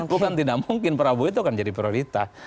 bukan tidak mungkin prabowo itu akan jadi prioritas